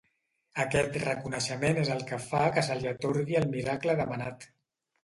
Aquest reconeixement és el que fa que se li atorgui el miracle demanat.